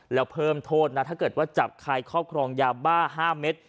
แล้วเพิ่มโทษนะถ้าเกิดว่าจับใครครอบครองยาบ้า๕เม็ด